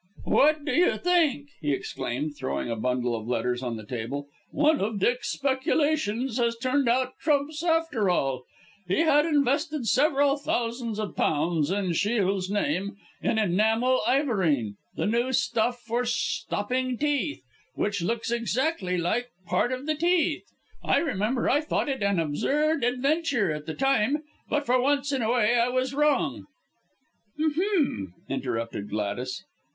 "What do you think!" he exclaimed, throwing a bundle of letters on the table, "one of Dick's speculations has turned out trumps, after all. He had invested several thousands of pounds in Shiel's name in enamel ivorine, the new stuff for stopping teeth, which looks exactly like part of the teeth. I remember I thought it an absurd venture at the time, but for once in a way I was wrong " "Ahem!" interrupted Gladys.